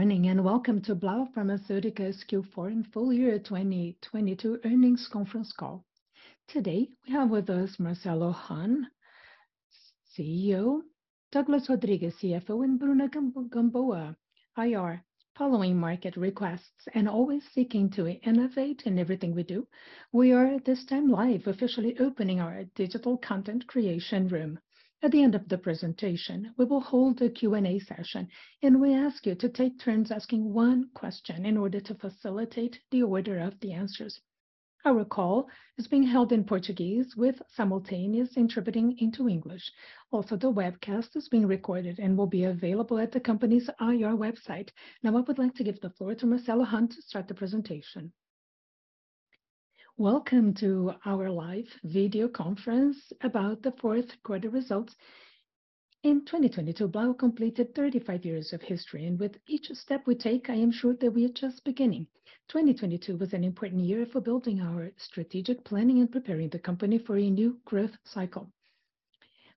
Morning, and welcome to Blau Farmacêutica's Q4 full year 2022 earnings conference call. Today, we have with us Marcelo Hahn, CEO, Douglas Rodrigues, CFO, and Bruna Gambôa, IR. Following market requests and always seeking to innovate in everything we do, we are at this time live officially opening our digital content creation room. At the end of the presentation, we will hold a Q&A session, and we ask you to take turns asking one question in order to facilitate the order of the answers. Our call is being held in Portuguese with simultaneous interpreting into English. Also, the webcast is being recorded and will be available at the company's IR website. Now, I would like to give the floor to Marcelo Hahn to start the presentation. Welcome to our live video conference about the fourth quarter results. In 2022, Blau completed 35 years of history. With each step we take, I am sure that we are just beginning. 2022 was an important year for building our strategic planning and preparing the company for a new growth cycle.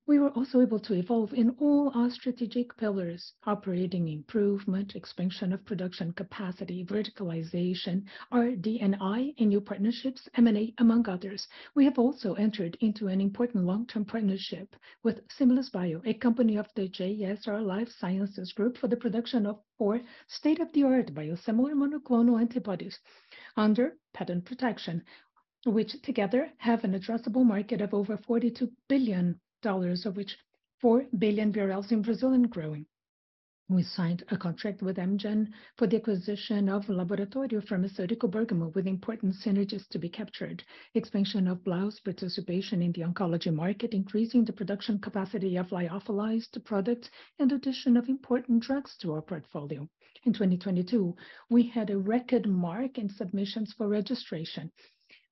We were also able to evolve in all our strategic pillars: operating improvement, expansion of production capacity, verticalization, R&D and I, and new partnerships, M&A, among others. We have also entered into an important long-term partnership with Similis Bio, a company of the JSR Life Sciences Group, for the production of four state-of-the-art biosimilar monoclonal antibodies under patent protection, which together have an addressable market of over $42 billion, of which 4 billion BRL in Brazil and growing. We signed a contract with Amgen for the acquisition of Laboratório Farmacêutico Bergamo with important synergies to be captured. Expansion of Blau's participation in the oncology market, increasing the production capacity of lyophilized products, and addition of important drugs to our portfolio. In 2022, we had a record mark in submissions for registration,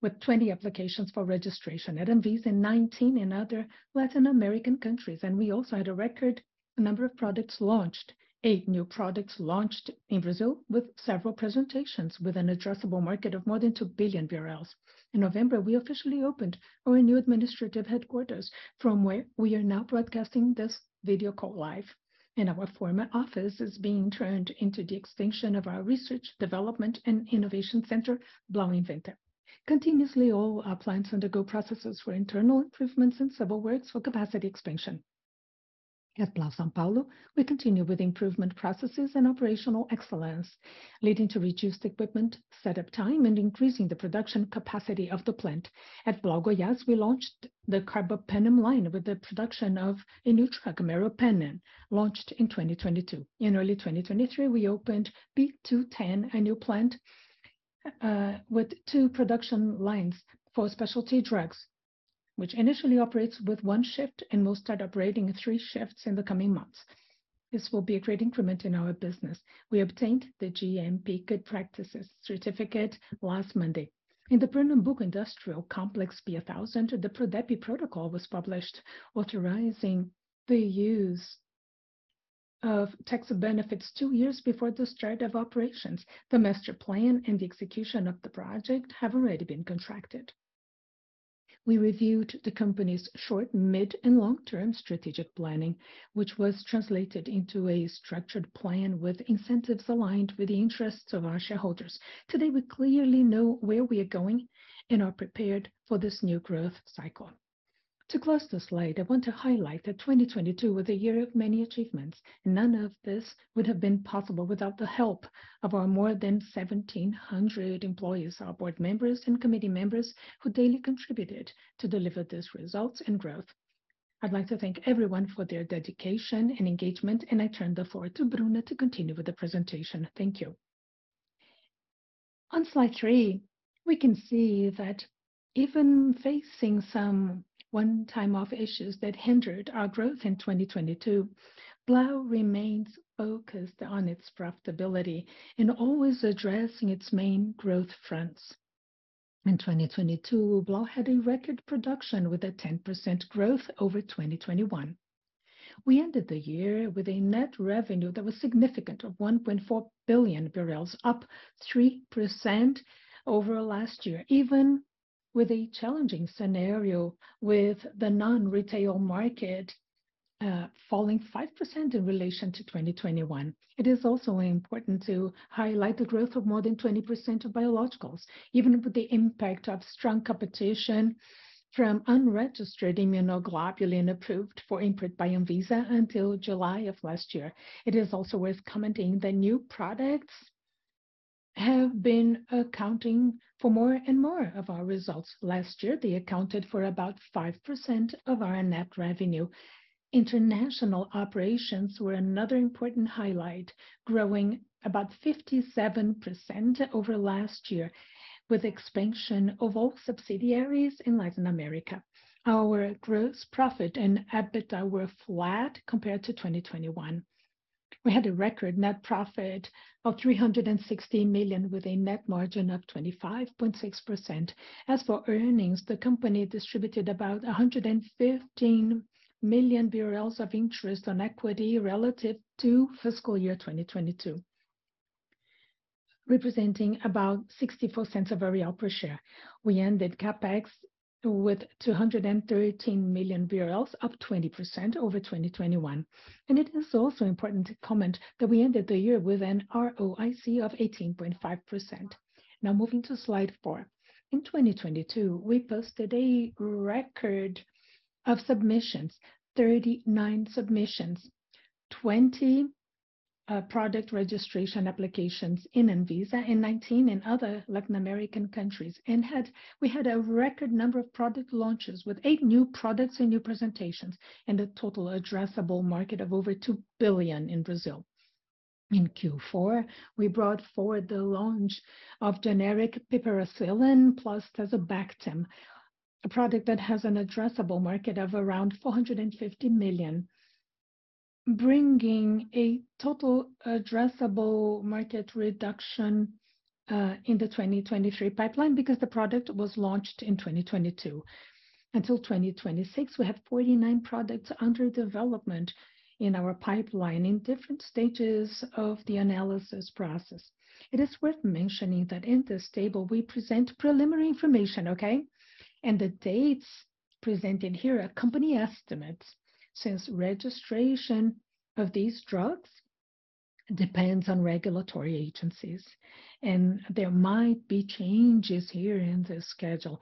with 20 applications for registration at Anvisa and 19 in other Latin American countries. We also had a record number of products launched. Eight new products launched in Brazil with several presentations, with an addressable market of more than 2 billion BRL. In November, we officially opened our new administrative headquarters, from where we are now broadcasting this video call live. Our former office is being turned into the extension of our research, development, and innovation center, Blau Inventta. Continuously, all our plants undergo processes for internal improvements and civil works for capacity expansion. At Blau São Paulo, we continue with improvement processes and operational excellence, leading to reduced equipment set-up time and increasing the production capacity of the plant. At Blau Goiás, we launched the carbapenem line with the production of a new drug, meropenem, launched in 2022. In early 2023, we opened P210, a new plant, with two production lines for specialty drugs, which initially operates with one shift and will start operating three shifts in the coming months. This will be a great increment in our business. We obtained the GMP Good Practices certificate last Monday. In the Pernambuco Industrial Complex, BFO Center, the PRODEPE protocol was published authorizing the use of tax benefits 2 years before the start of operations. The master plan and the execution of the project have already been contracted. We reviewed the company's short, mid, and long-term strategic planning, which was translated into a structured plan with incentives aligned with the interests of our shareholders. Today, we clearly know where we are going and are prepared for this new growth cycle. To close the slide, I want to highlight that 2022 was a year of many achievements. None of this would have been possible without the help of our more than 1,700 employees, our board members, and committee members who daily contributed to deliver these results and growth. I'd like to thank everyone for their dedication and engagement, and I turn the floor to Bruna to continue with the presentation. Thank you. On slide 3, we can see that even facing some one-time off issues that hindered our growth in 2022, Blau remains focused on its profitability and always addressing its main growth fronts. In 2022, Blau had a record production with a 10% growth over 2021. We ended the year with a net revenue that was significant of 1.4 billion, up 3% over last year, even with a challenging scenario with the non-retail market, falling 5% in relation to 2021. It is also important to highlight the growth of more than 20% of biologicals, even with the impact of strong competition from unregistered immunoglobulin approved for import by Anvisa until July of last year. It is also worth commenting the new products have been accounting for more and more of our results. Last year, they accounted for about 5% of our net revenue. International operations were another important highlight, growing about 57% over last year, with expansion of all subsidiaries in Latin America. Our gross profit and EBITDA were flat compared to 2021. We had a record net profit of 360 million, with a net margin of 25.6%. As for earnings, the company distributed about 115 million BRL of interest on equity relative to fiscal year 2022. Representing about 0.64 per share. We ended CapEx with 213 million, up 20% over 2021. It is also important to comment that we ended the year with an ROIC of 18.5%. Moving to slide 4. In 2022, we posted a record of submissions, 39 submissions. 20 product registration applications in Anvisa, and 19 in other Latin American countries. We had a record number of product launches with eight new products and new presentations, and a total addressable market of over 2 billion in Brazil. In Q4, we brought forward the launch of generic piperacillin/tazobactam, a product that has an addressable market of around 450 million, bringing a total addressable market reduction in the 2023 pipeline because the product was launched in 2022. Until 2026, we have 49 products under development in our pipeline in different stages of the analysis process. It is worth mentioning that in this table we present preliminary information, okay? The dates presented here are company estimates, since registration of these drugs depends on regulatory agencies, and there might be changes here in the schedule,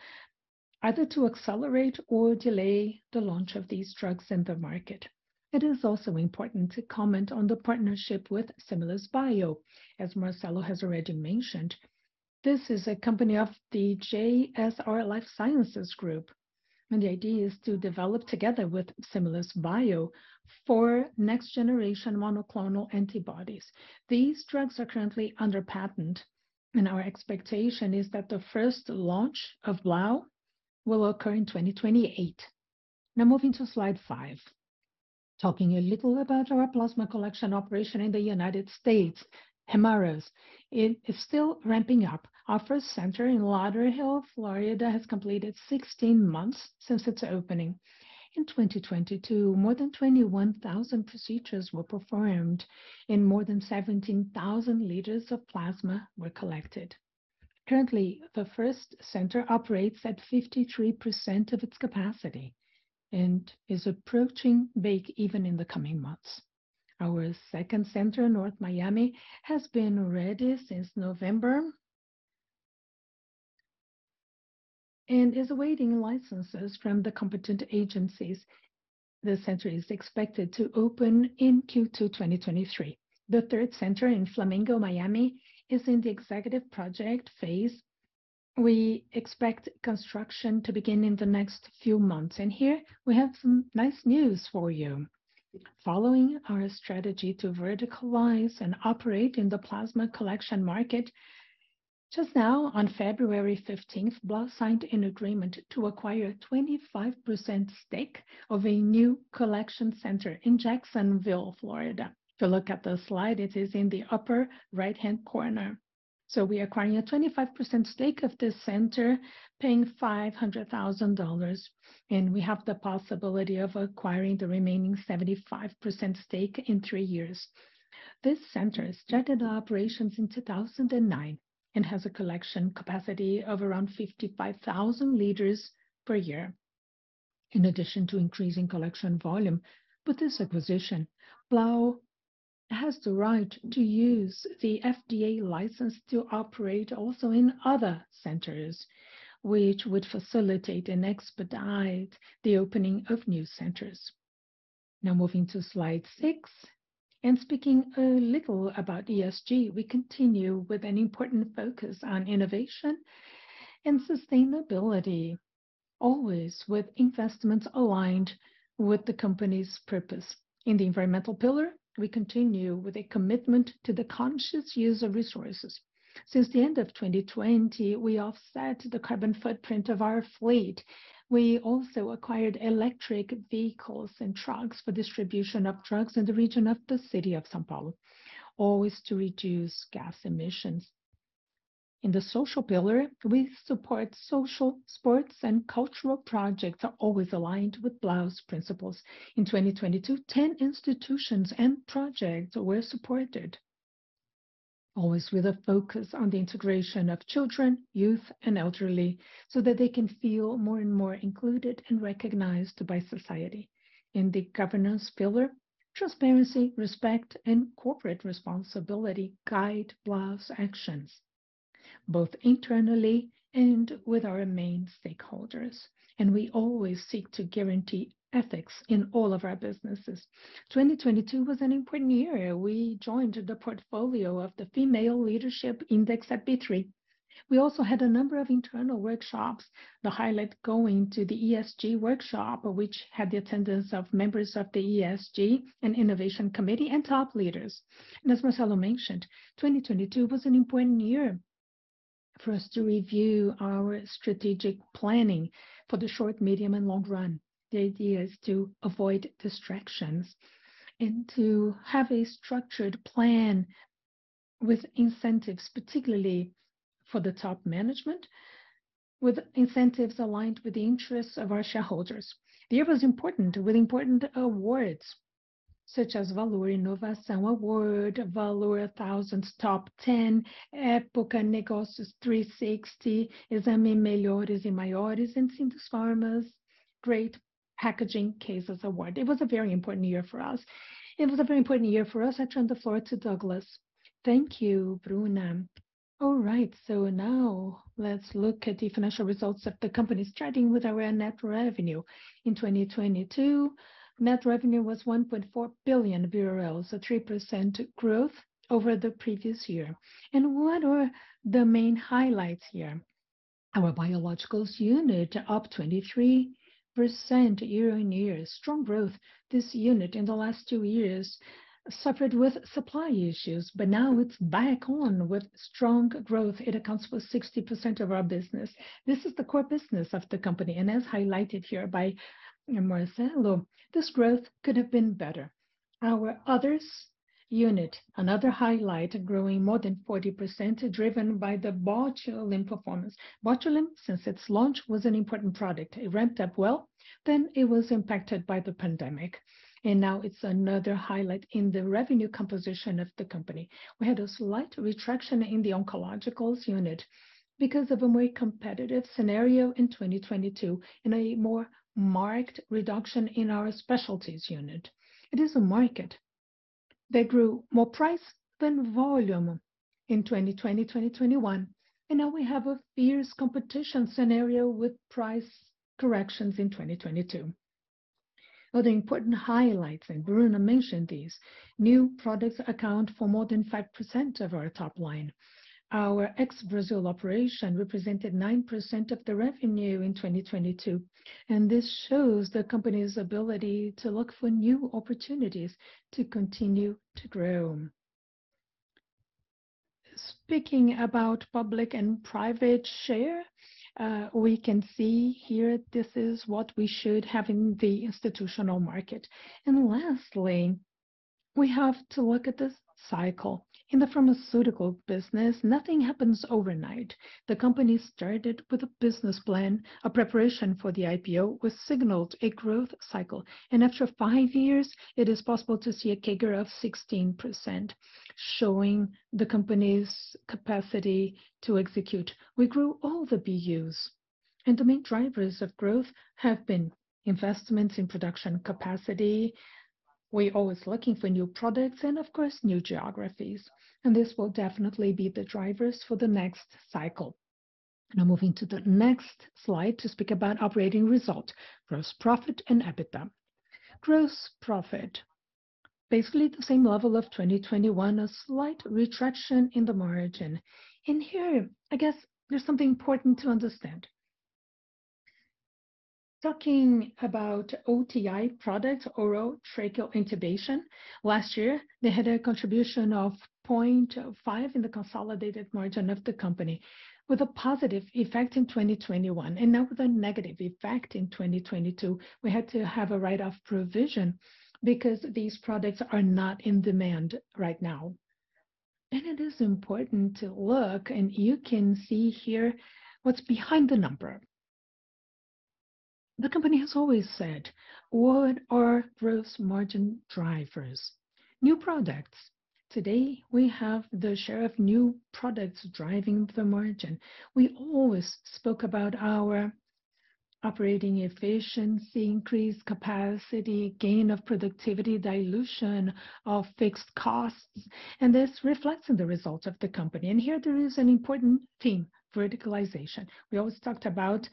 either to accelerate or delay the launch of these drugs in the market. It is also important to comment on the partnership with Similis Bio. As Marcelo has already mentioned, this is a company of the JSR Life Sciences Group, and the idea is to develop together with Similis Bio for next-generation monoclonal antibodies. These drugs are currently under patent. Our expectation is that the first launch of Blau will occur in 2028. Moving to slide 5. Talking a little about our plasma collection operation in the United States, Hemarus, it is still ramping up. Our first center in Lauderhill, Florida, has completed 16 months since its opening. In 2022, more than 21,000 procedures were performed and more than 17,000 liters of plasma were collected. Currently, the first center operates at 53% of its capacity and is approaching break even in the coming months. Our second center, North Miami, has been ready since November, and is awaiting licenses from the competent agencies. The center is expected to open in Q2 2023. The third center in Flamingo, Miami, is in the executive project phase. We expect construction to begin in the next few months. Here we have some nice news for you. Following our strategy to verticalize and operate in the plasma collection market, just now on February 15th, Blau signed an agreement to acquire a 25% stake of a new collection center in Jacksonville, Florida. If you look at the slide, it is in the upper right-hand corner. We're acquiring a 25% stake of this center, paying $500,000, and we have the possibility of acquiring the remaining 75% stake in three years. This center started operations in 2009 and has a collection capacity of around 55,000 liters per year. In addition to increasing collection volume, with this acquisition, Blau has the right to use the FDA license to operate also in other centers, which would facilitate and expedite the opening of new centers. Moving to slide 6, and speaking a little about ESG, we continue with an important focus on innovation and sustainability, always with investments aligned with the company's purpose. In the environmental pillar, we continue with a commitment to the conscious use of resources. Since the end of 2020, we offset the carbon footprint of our fleet. We also acquired electric vehicles and trucks for distribution of drugs in the region of the city of São Paulo, always to reduce gas emissions. In the social pillar, we support social, sports, and cultural projects are always aligned with Blau's principles. In 2022, 10 institutions and projects were supported, always with a focus on the integration of children, youth, and elderly, so that they can feel more and more included and recognized by society. In the governance pillar, transparency, respect, and corporate responsibility guide Blau's actions, both internally and with our main stakeholders, and we always seek to guarantee ethics in all of our businesses. 2022 was an important year. We joined the portfolio of the Female Leadership Index at B3. We also had a number of internal workshops, the highlight going to the ESG workshop, which had the attendance of members of the ESG and innovation committee and top leaders. As Marcelo mentioned, 2022 was an important year for us to review our strategic planning for the short, medium, and long run. The idea is to avoid distractions and to have a structured plan with incentives, particularly for the top management, with incentives aligned with the interests of our shareholders. The year was important with important awards, such as Valor Inovação Award, Valor 1000 top ten, Época Negócios 360, Exame Melhores & Maiores, and Sindusfarma's Great Packaging Cases Award. It was a very important year for us. I turn the floor to Douglas. Thank you, Bruna. Now let's look at the financial results of the company, starting with our net revenue. In 2022, net revenue was BRL 1.4 billion, a 3% growth over the previous year. What are the main highlights here? Our biologicals unit up 23% year-over-year. Strong growth. This unit in the last two years suffered with supply issues, but now it's back on with strong growth. It accounts for 60% of our business. This is the core business of the company, and as highlighted here by Marcelo, this growth could have been better. Our others unit, another highlight, growing more than 40%, driven by the Botulim performance. Botulim, since its launch, was an important product. It ramped up well, then it was impacted by the pandemic, and now it's another highlight in the revenue composition of the company. We had a slight retraction in the oncologicals unit because of a more competitive scenario in 2022 and a more marked reduction in our specialties unit. It is a market that grew more price than volume in 2020, 2021, now we have a fierce competition scenario with price corrections in 2022. Other important highlights, Bruna mentioned these, new products account for more than 5% of our top line. Our ex-Brazil operation represented 9% of the revenue in 2022, this shows the company's ability to look for new opportunities to continue to grow. Speaking about public and private share, we can see here this is what we should have in the institutional market. Lastly, we have to look at the cycle. In the pharmaceutical business, nothing happens overnight. The company started with a business plan, a preparation for the IPO, which signaled a growth cycle. After five years, it is possible to see a CAGR of 16%, showing the company's capacity to execute. We grew all the BUs, and the main drivers of growth have been investments in production capacity. We're always looking for new products and, of course, new geographies. This will definitely be the drivers for the next cycle. Now moving to the next slide to speak about operating result, gross profit and EBITDA. Gross profit, basically the same level of 2021, a slight retraction in the margin. Here, I guess there's something important to understand. Talking about OTI products, orotracheal intubation, last year they had a contribution of 0.5% in the consolidated margin of the company with a positive effect in 2021, and now with a negative effect in 2022. We had to have a write-off provision because these products are not in demand right now. It is important to look, and you can see here what's behind the number. The company has always said, "What are growth margin drivers?" New products. Today, we have the share of new products driving the margin. We always spoke about our operating efficiency, increased capacity, gain of productivity, dilution of fixed costs, and this reflects in the results of the company. Here there is an important theme, verticalization. We always talked about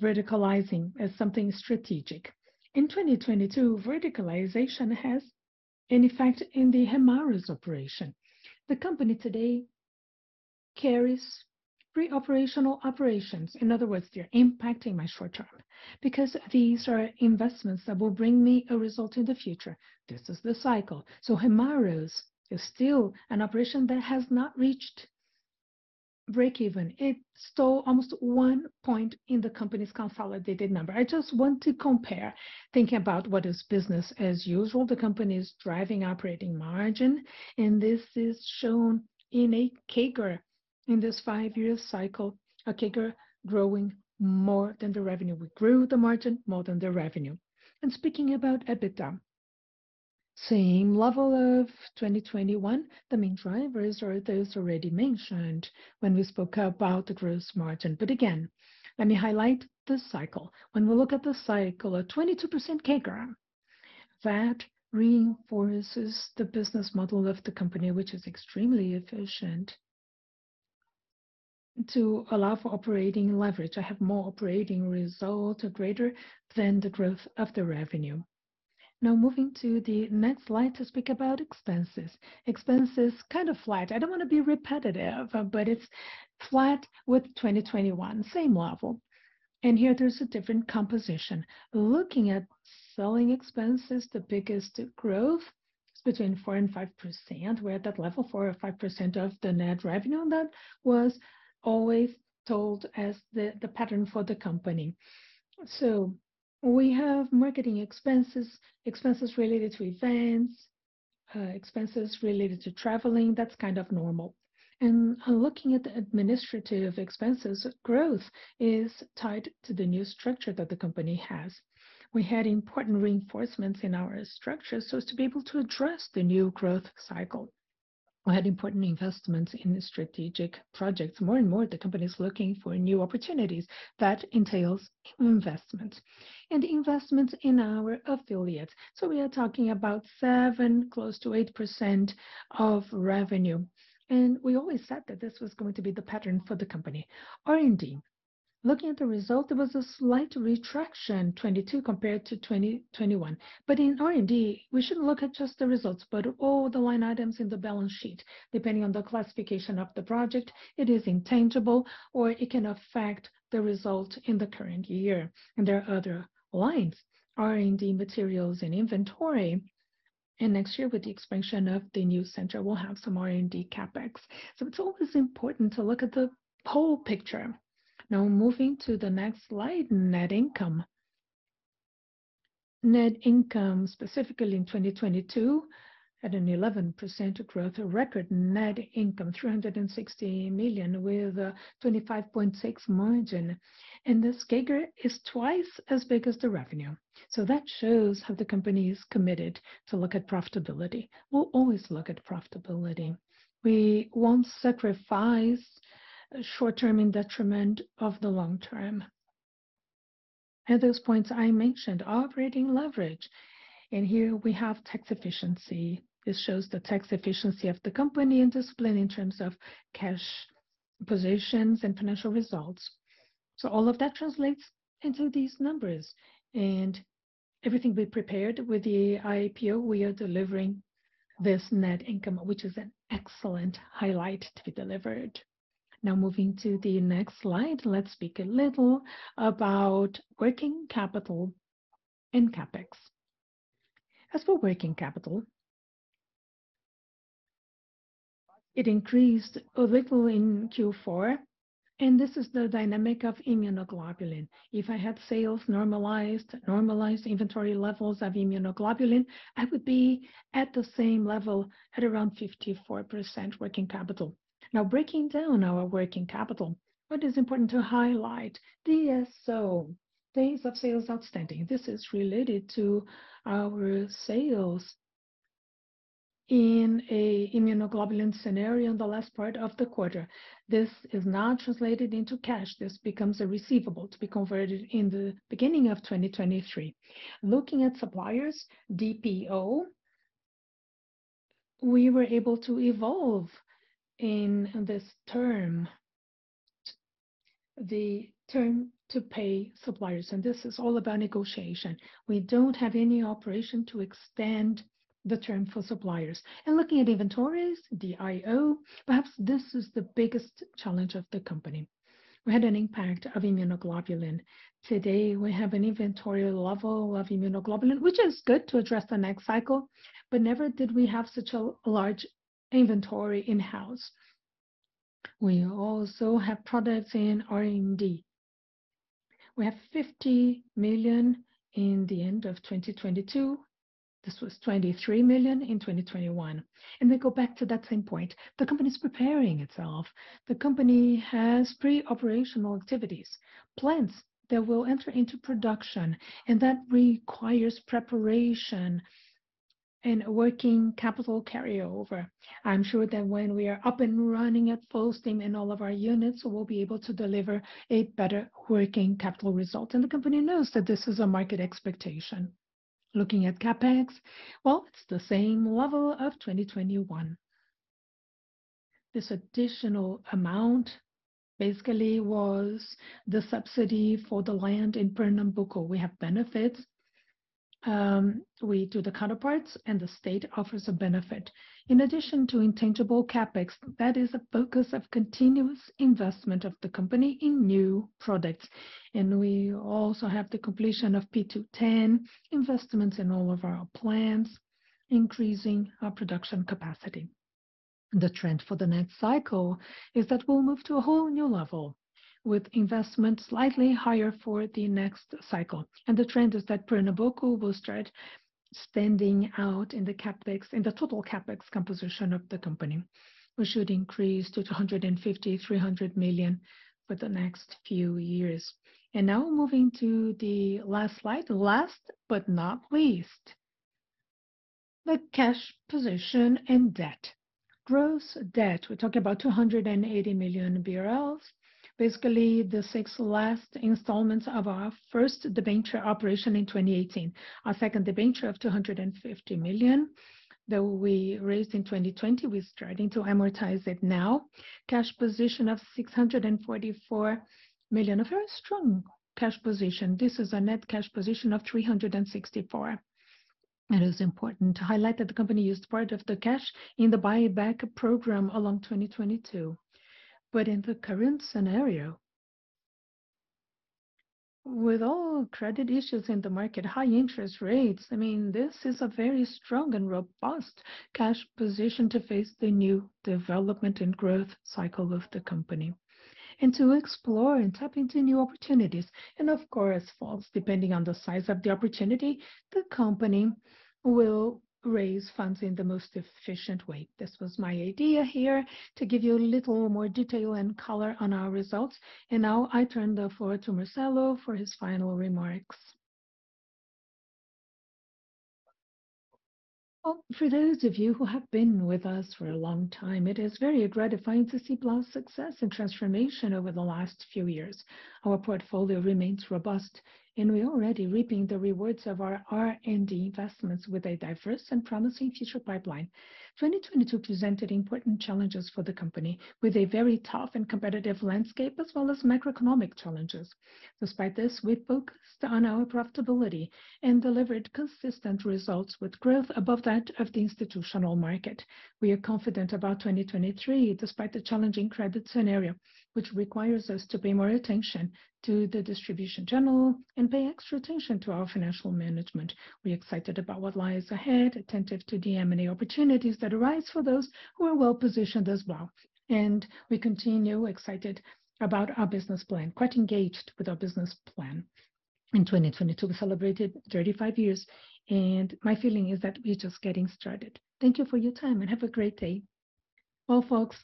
verticalizing as something strategic. In 2022, verticalization has an effect in the Hemarus operation. The company today carries pre-operational operations. In other words, they're impacting my short term because these are investments that will bring me a result in the future. This is the cycle. Hemarus is still an operation that has not reached breakeven. It stole almost 1 point in the company's consolidated number. I just want to compare, thinking about what is business as usual. The company is driving operating margin. This is shown in a CAGR. In this five-year cycle, a CAGR growing more than the revenue. We grew the margin more than the revenue. Speaking about EBITDA, same level of 2021. The main drivers are those already mentioned when we spoke about the gross margin. Again, let me highlight the cycle. When we look at the cycle, a 22% CAGR, that reinforces the business model of the company, which is extremely efficient to allow for operating leverage, to have more operating result greater than the growth of the revenue. Moving to the next slide to speak about expenses. Expenses kind of flat. I don't want to be repetitive, but it's flat with 2021, same level. Here there's a different composition. Looking at selling expenses, the biggest growth is between 4% and 5%. We're at that level, 4% or 5% of the net revenue. That was always told as the pattern for the company. We have marketing expenses related to events, expenses related to traveling, that's kind of normal. Looking at the administrative expenses, growth is tied to the new structure that the company has. We had important reinforcements in our structure so as to be able to address the new growth cycle. We had important investments in the strategic projects. More and more, the company's looking for new opportunities. That entails investment. Investment in our affiliates. We are talking about 7%, close to 8% of revenue. We always said that this was going to be the pattern for the company. R&D. Looking at the result, there was a slight retraction 2022 compared to 2021. In R&D, we shouldn't look at just the results, but all the line items in the balance sheet. Depending on the classification of the project, it is intangible or it can affect the result in the current year. There are other lines, R&D materials and inventory. Next year, with the expansion of the new center, we'll have some R&D CapEx. It's always important to look at the whole picture. Now moving to the next slide, net income. Net income, specifically in 2022, had an 11% growth, a record net income, 360 million with a 25.6% margin. This figure is twice as big as the revenue. That shows how the company is committed to look at profitability. We'll always look at profitability. We won't sacrifice short-term in detriment of the long term. At those points I mentioned, operating leverage, here we have tax efficiency. This shows the tax efficiency of the company and discipline in terms of cash positions and financial results. All of that translates into these numbers. Everything we prepared with the IPO, we are delivering this net income, which is an excellent highlight to be delivered. Moving to the next slide, let's speak a little about working capital and CapEx. For working capital, it increased a little in Q4, and this is the dynamic of immunoglobulin. If I had sales normalized inventory levels of immunoglobulin, I would be at the same level at around 54% working capital. Breaking down our working capital, what is important to highlight, DSO, days of sales outstanding. This is related to our sales in a immunoglobulin scenario in the last part of the quarter. This is now translated into cash. This becomes a receivable to be converted in the beginning of 2023. Looking at suppliers, DPO, we were able to evolve in this term, the term to pay suppliers. This is all about negotiation. We don't have any operation to extend the term for suppliers. Looking at inventories, DIO, perhaps this is the biggest challenge of the company. We had an impact of immunoglobulin. Today, we have an inventory level of immunoglobulin, which is good to address the next cycle, but never did we have such a large inventory in-house. We also have products in R&D. We have 50 million in the end of 2022. This was 23 million in 2021. I go back to that same point. The company's preparing itself. The company has pre-operational activities, plants that will enter into production, and that requires preparation and working capital carryover. I'm sure that when we are up and running at full steam in all of our units, we'll be able to deliver a better working capital result. The company knows that this is a market expectation. Looking at CapEx, well, it's the same level of 2021. This additional amount basically was the subsidy for the land in Pernambuco. We have benefits, we do the counterparts, and the state offers a benefit. In addition to intangible CapEx, that is a focus of continuous investment of the company in new products. We also have the completion of P210, investments in all of our plants, increasing our production capacity. The trend for the next cycle is that we'll move to a whole new level with investment slightly higher for the next cycle. The trend is that Pernambuco will start standing out in the CapEx, in the total CapEx composition of the company. We should increase to 250 million, 300 million for the next few years. Now moving to the last slide. Last but not least, the cash position and debt. Gross debt, we're talking about 280 million BRL. Basically, the six last installments of our first debenture operation in 2018. Our second debenture of 250 million that we raised in 2020, we're starting to amortize it now. Cash position of 644 million, a very strong cash position. This is a net cash position of 364 million. It's important to highlight that the company used part of the cash in the buyback program along 2022. In the current scenario, with all credit issues in the market, high interest rates, I mean, this is a very strong and robust cash position to face the new development and growth cycle of the company and to explore and tap into new opportunities. Of course, folks, depending on the size of the opportunity, the company will raise funds in the most efficient way. This was my idea here to give you a little more detail and color on our results. Now I turn the floor to Marcelo for his final remarks. Well, for those of you who have been with us for a long time, it is very gratifying to see Blau's success and transformation over the last few years. Our portfolio remains robust. We're already reaping the rewards of our R&D investments with a diverse and promising future pipeline. 2022 presented important challenges for the company with a very tough and competitive landscape as well as macroeconomic challenges. Despite this, we focused on our profitability and delivered consistent results with growth above that of the institutional market. We are confident about 2023 despite the challenging credit scenario, which requires us to pay more attention to the distribution channel and pay extra attention to our financial management. We're excited about what lies ahead, attentive to the M&A opportunities that arise for those who are well-positioned as well. We continue excited about our business plan, quite engaged with our business plan. In 2022, we celebrated 35 years, and my feeling is that we're just getting started. Thank you for your time, and have a great day. Well, folks,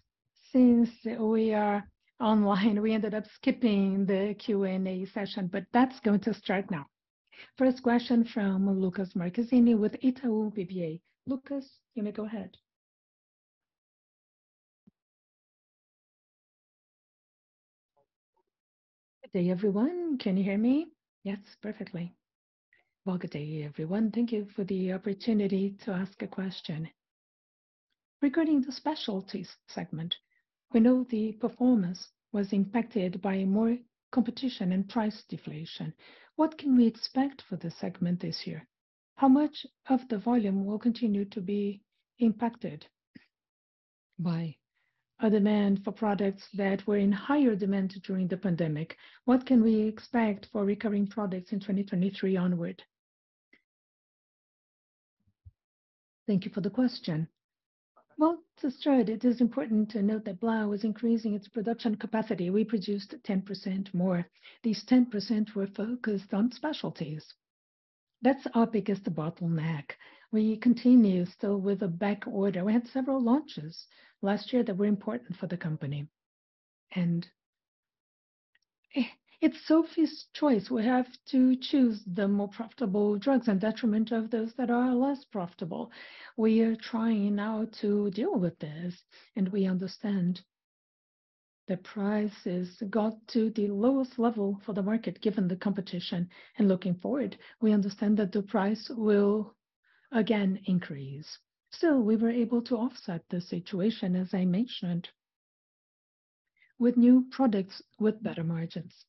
since we are online, we ended up skipping the Q&A session. That's going to start now. First question from Luca Marchesini with Itaú BBA. Lucas, you may go ahead. Good day, everyone. Can you hear me? Yes, perfectly. Well, good day, everyone. Thank you for the opportunity to ask a question. Regarding the specialties segment, we know the performance was impacted by more competition and price deflation. What can we expect for the segment this year? How much of the volume will continue to be impacted by a demand for products that were in higher demand during the pandemic? What can we expect for recurring products in 2023 onward? Thank you for the question. Well, to start, it is important to note that Blau is increasing its production capacity. We produced 10% more. These 10% were focused on specialties. That's our biggest bottleneck. We continue still with a back order. We had several launches last year that were important for the company. It's Sophie's choice. We have to choose the more profitable drugs in detriment of those that are less profitable. We are trying now to deal with this, and we understand the prices got to the lowest level for the market, given the competition. Looking forward, we understand that the price will again increase. Still, we were able to offset the situation, as I mentioned, with new products with better margins.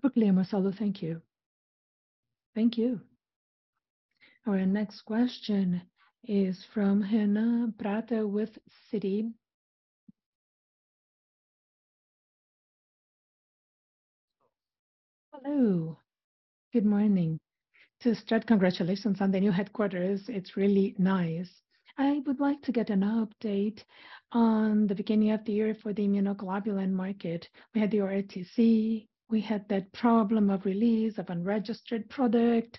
Super clear, Marcelo. Thank you. Thank you. Our next question is from Renan Prata with Citi. Hello. Good morning. To start, congratulations on the new headquarters. It's really nice. I would like to get an update on the beginning of the year for the immunoglobulin market. We had the RDC. We had that problem of release of unregistered product.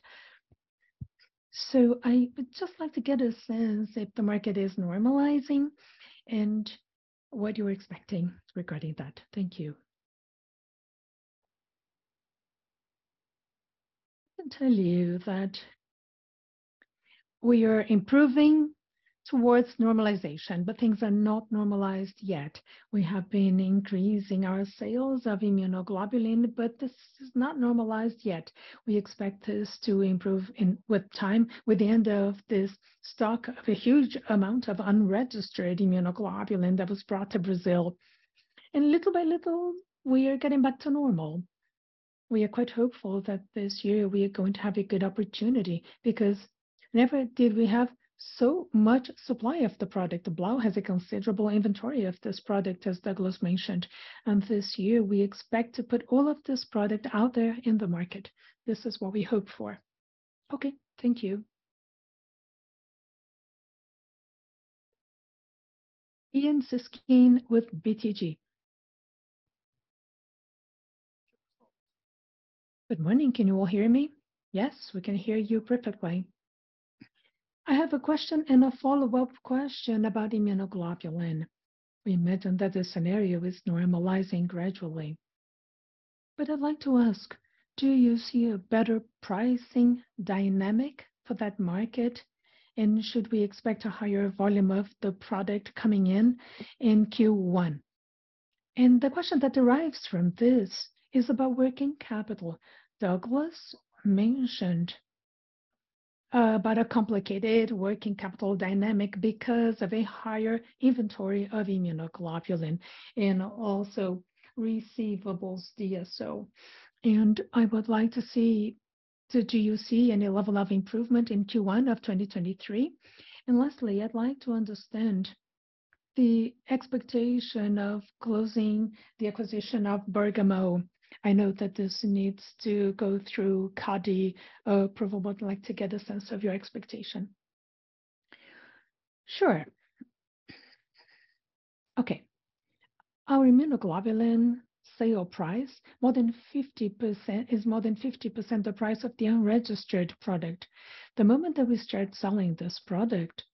I would just like to get a sense if the market is normalizing and what you're expecting regarding that. Thank you. I can tell you that we are improving towards normalization, but things are not normalized yet. We have been increasing our sales of immunoglobulin, but this is not normalized yet. We expect this to improve with time, with the end of this stock, a huge amount of unregistered immunoglobulin that was brought to Brazil. Little by little, we are getting back to normal. We are quite hopeful that this year we are going to have a good opportunity because never did we have so much supply of the product. Blau has a considerable inventory of this product, as Douglas mentioned. This year, we expect to put all of this product out there in the market. This is what we hope for. Okay. Thank you. Ian Seskin with BTG. Good morning. Can you all hear me? Yes, we can hear you perfectly. I have a question and a follow-up question about immunoglobulin. We imagine that the scenario is normalizing gradually, but I'd like to ask, do you see a better pricing dynamic for that market, and should we expect a higher volume of the product coming in in Q1? The question that derives from this is about working capital. Douglas mentioned about a complicated working capital dynamic because of a higher inventory of immunoglobulin and also receivables DSO. So do you see any level of improvement in Q1 of 2023? Lastly, I'd like to understand the expectation of closing the acquisition of Bergamo. I know that this needs to go through CADE approval, but I'd like to get a sense of your expectation. Sure. Okay. Our immunoglobulin sale price is more than 50% the price of the unregistered product. The moment that we start selling this product,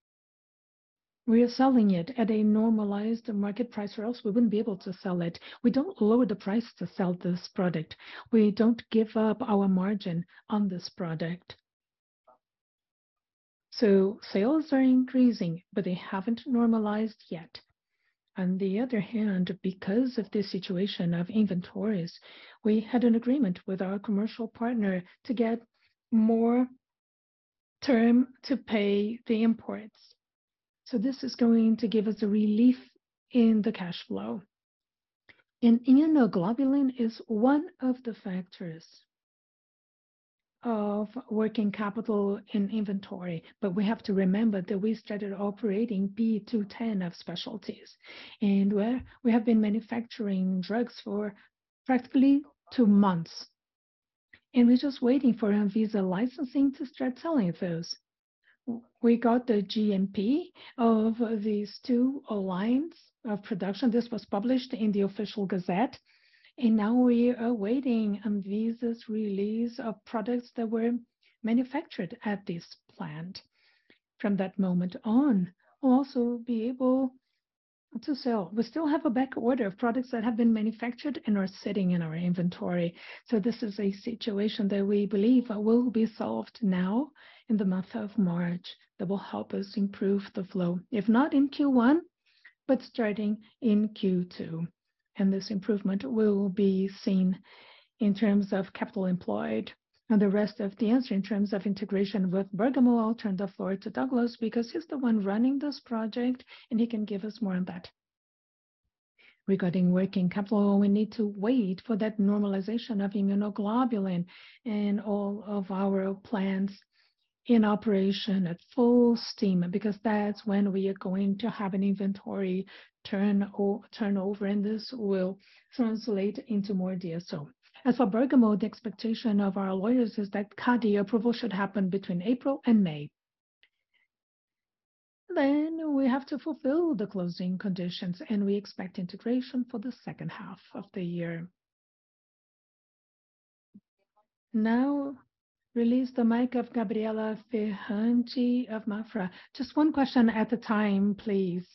we are selling it at a normalized market price, or else we wouldn't be able to sell it. We don't lower the price to sell this product. We don't give up our margin on this product. Sales are increasing, but they haven't normalized yet. On the other hand, because of the situation of inventories, we had an agreement with our commercial partner to get more term to pay the imports. This is going to give us a relief in the cash flow. Immunoglobulin is one of the factors of working capital in inventory, but we have to remember that we started operating P210 of specialties. We have been manufacturing drugs for practically two months, and we're just waiting for Anvisa licensing to start selling those. We got the GMP of these two lines of production. This was published in the official gazette. Now we are waiting on Anvisa's release of products that were manufactured at this plant. From that moment on, we'll also be able to sell. We still have a back order of products that have been manufactured and are sitting in our inventory. This is a situation that we believe will be solved now in the month of March that will help us improve the flow, if not in Q1, but starting in Q2. This improvement will be seen in terms of capital employed. The rest of the answer in terms of integration with Bergamo, I'll turn the floor to Douglas because he's the one running this project, and he can give us more on that. Regarding working capital, we need to wait for that normalization of immunoglobulin and all of our plants in operation at full steam, because that's when we are going to have an inventory turnover, and this will translate into more DSO. As for Bergamo, the expectation of our lawyers is that CADE approval should happen between April and May. We have to fulfill the closing conditions, and we expect integration for the second half of the year. Release the mic of Gabriela Ferrante of Safra. Just one question at a time, please,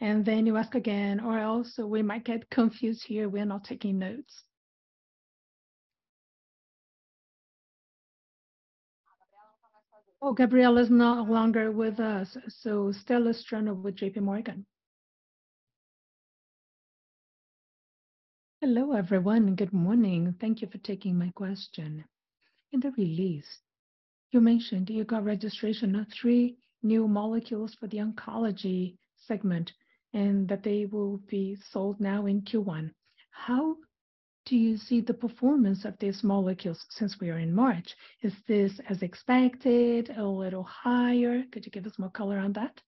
and then you ask again, or else we might get confused here. We're not taking notes. Stella Strano with JP Morgan. Hello, everyone. Good morning. Thank you for taking my question. In the release, you mentioned you got registration of three new molecules for the oncology segment, that they will be sold now in Q1. How do you see the performance of these molecules since we are in March? Is this as expected? A little higher? Could you give us more color on that?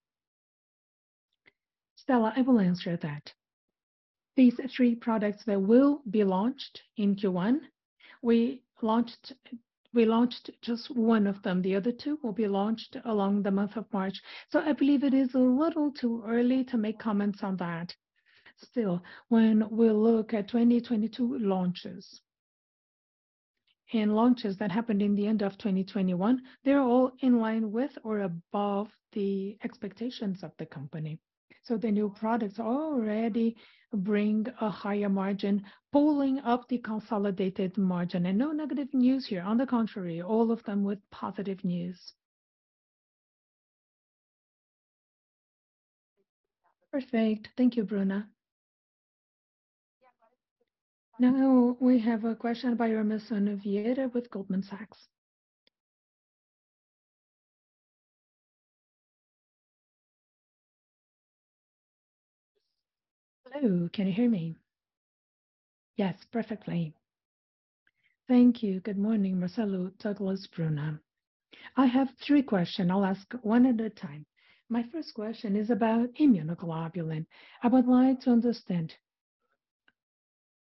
Stella, I will answer that. These three products that will be launched in Q1, we launched just one of them. The other two will be launched along the month of March. I believe it is a little too early to make comments on that. When we look at 2022 launches and launches that happened in the end of 2021, they're all in line with or above the expectations of the company. The new products already bring a higher margin, pulling up the consolidated margin. No negative news here. On the contrary, all of them with positive news. Perfect. Thank you, Bruna. Now we have a question by Emerson Vieira with Goldman Sachs. Hello. Can you hear me? Yes, perfectly. Thank you. Good morning, Marcelo, Douglas, Bruna. I have three question. I'll ask one at a time. My first question is about immunoglobulin. I would like to understand,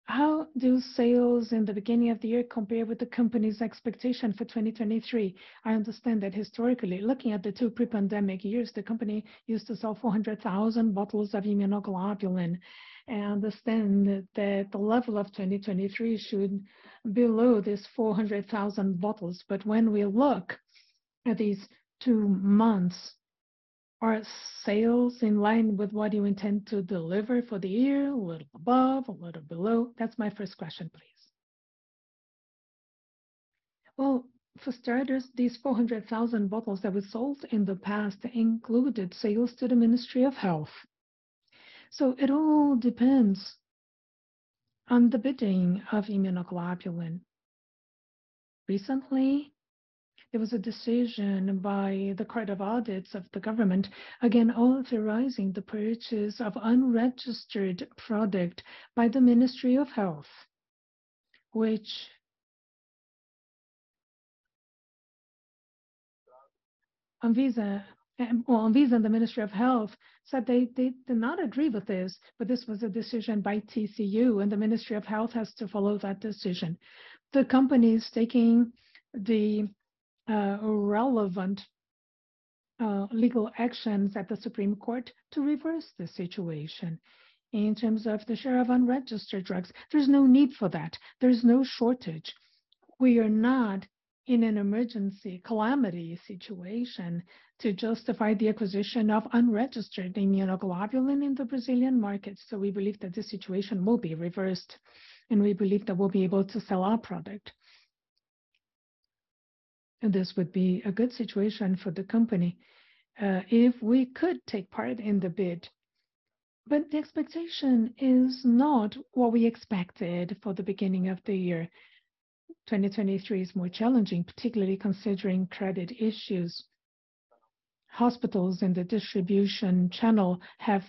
how do sales in the beginning of the year compare with the company's expectation for 2023? I understand that historically, looking at the two pre-pandemic years, the company used to sell 400,000 bottles of immunoglobulin. I understand that the level of 2023 should below this 400,000 bottles. When we look at these two months, are sales in line with what you intend to deliver for the year? A little above? A little below? That's my first question, please. For starters, these 400,000 bottles that we sold in the past included sales to the Ministry of Health. It all depends on the bidding of immunoglobulin. Recently there was a decision by the Court of Audits of the government, again, authorizing the purchase of unregistered product by the Ministry of Health, which Anvisa, well, Anvisa and the Ministry of Health said they did not agree with this, but this was a decision by TCU, and the Ministry of Health has to follow that decision. The company's taking the relevant legal actions at the Supreme Court to reverse the situation. In terms of the share of unregistered drugs, there's no need for that. There's no shortage. We are not in an emergency calamity situation to justify the acquisition of unregistered immunoglobulin in the Brazilian market. We believe that the situation will be reversed, and we believe that we'll be able to sell our product. This would be a good situation for the company if we could take part in the bid. The expectation is not what we expected for the beginning of the year. 2023 is more challenging, particularly considering credit issues. Hospitals in the distribution channel have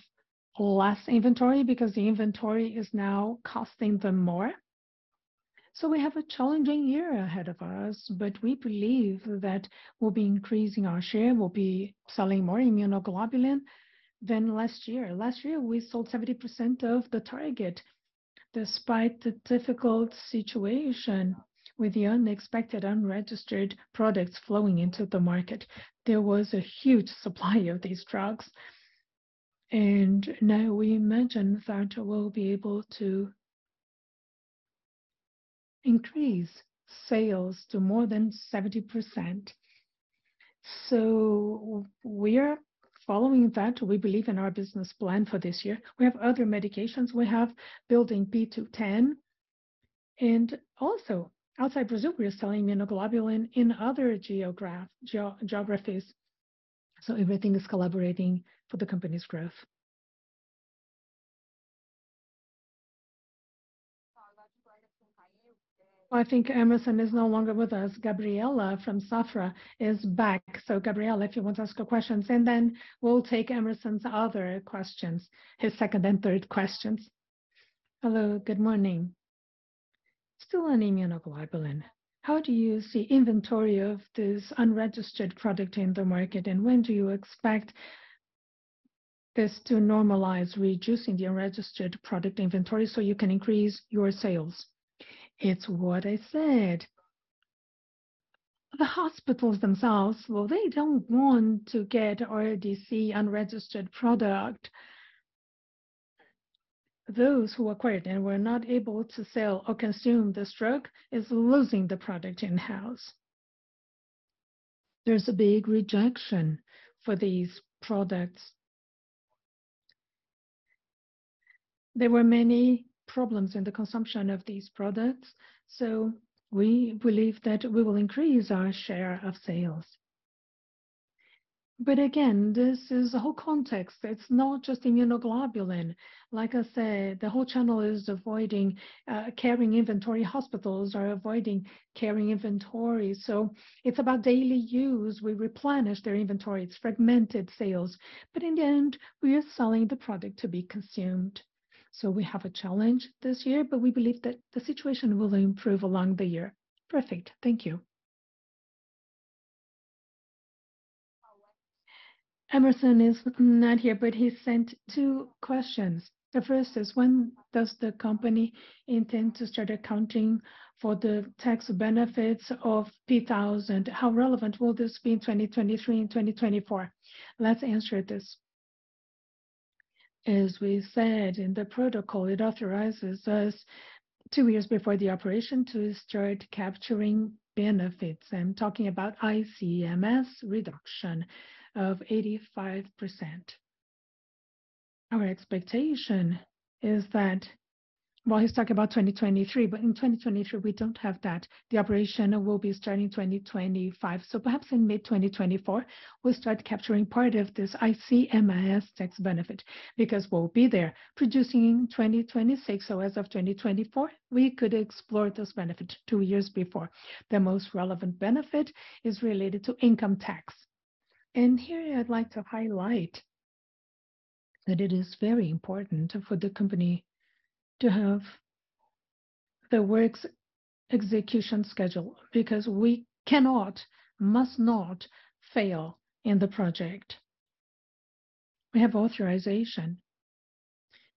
less inventory because the inventory is now costing them more. We have a challenging year ahead of us, but we believe that we'll be increasing our share. We'll be selling more immunoglobulin than last year. Last year, we sold 70% of the target despite the difficult situation with the unexpected unregistered products flowing into the market. There was a huge supply of these drugs. Now we imagine that we'll be able to increase sales to more than 70%. We're following that. We believe in our business plan for this year. We have other medications. We have building P210. Also, outside Brazil, we are selling immunoglobulin in other geographies. Everything is collaborating for the company's growth. Well, I think Emerson is no longer with us. Gabriela from Safra is back. Gabriela, if you want to ask your questions, then we'll take Emerson's other questions, his second and third questions. Hello, good morning. Still on immunoglobulin, how do you see inventory of this unregistered product in the market, and when do you expect this to normalize, reducing the unregistered product inventory so you can increase your sales? It's what I said. The hospitals themselves, well, they don't want to get RDC unregistered product. Those who acquired and were not able to sell or consume this drug is losing the product in-house. There's a big rejection for these products. There were many problems in the consumption of these products, so we believe that we will increase our share of sales. Again, this is a whole context. It's not just immunoglobulin. Like I said, the whole channel is avoiding carrying inventory. Hospitals are avoiding carrying inventory. It's about daily use. We replenish their inventory. It's fragmented sales. In the end, we are selling the product to be consumed. We have a challenge this year, but we believe that the situation will improve along the year. Perfect. Thank you. Emerson is not here, but he sent two questions. The first is: When does the company intend to start accounting for the tax benefits of P1000? How relevant will this be in 2023 and 2024? Let's answer this. As we said in the protocol, it authorizes us two years before the operation to start capturing benefits. I'm talking about ICMS reduction of 85%. Our expectation is that he's talking about 2023, but in 2023 we don't have that. The operation will be starting in 2025, so perhaps in mid-2024 we'll start capturing part of this ICMS tax benefit because we'll be there producing in 2026. As of 2024, we could explore this benefit two years before. The most relevant benefit is related to income tax. Here I'd like to highlight that it is very important for the company to have the works execution schedule because we cannot, must not fail in the project. We have authorization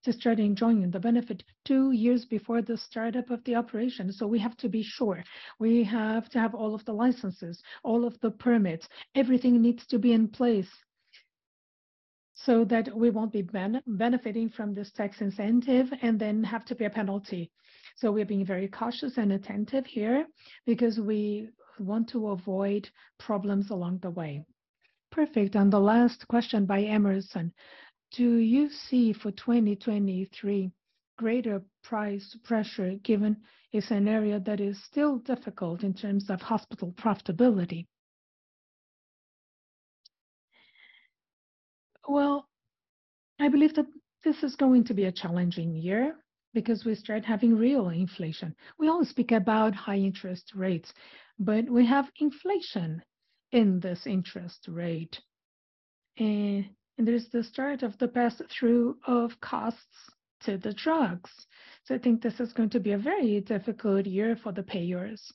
to start enjoying the benefit two years before the startup of the operation, we have to be sure. We have to have all of the licenses, all of the permits. Everything needs to be in place that we won't be benefiting from this tax incentive and then have to pay a penalty. We're being very cautious and attentive here because we want to avoid problems along the way. Perfect, the last question by Emerson: Do you see for 2023 greater price pressure given it's an area that is still difficult in terms of hospital profitability? I believe that this is going to be a challenging year because we start having real inflation. We always speak about high interest rates, but we have inflation in this interest rate. There's the start of the pass-through of costs to the drugs. I think this is going to be a very difficult year for the payers,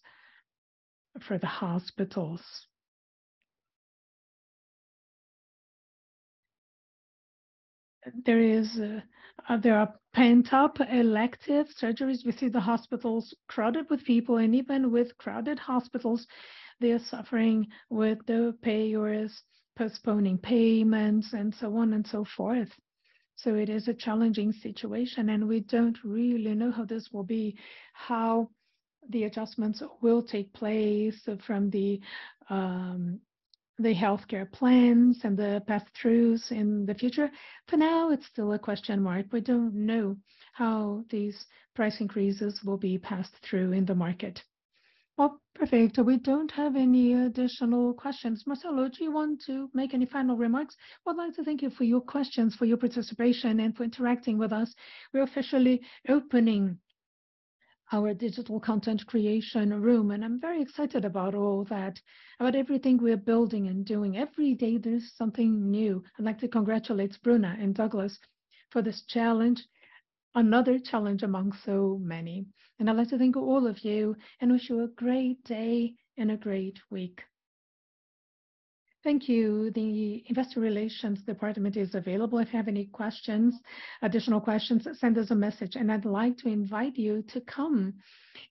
for the hospitals. There are pent-up elective surgeries. We see the hospitals crowded with people, and even with crowded hospitals, they are suffering with the payers postponing payments and so on and so forth. It is a challenging situation, and we don't really know how this will be, how the adjustments will take place from the healthcare plans and the pass-throughs in the future. For now, it's still a question mark. We don't know how these price increases will be passed through in the market. Perfect. We don't have any additional questions. Marcelo, do you want to make any final remarks? I would like to thank you for your questions, for your participation, and for interacting with us. We're officially opening our digital content creation room, I'm very excited about all that, about everything we're building and doing. Every day there is something new. I'd like to congratulate Bruna and Douglas for this challenge, another challenge among so many. I'd like to thank all of you and wish you a great day and a great week. Thank you. The investor relations department is available if you have any questions, additional questions, send us a message. I'd like to invite you to come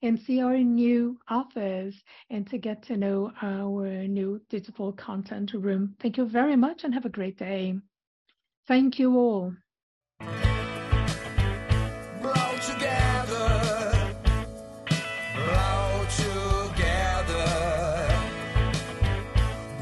and see our new office and to get to know our new digital content room. Thank you very much and have a great day. Thank you all.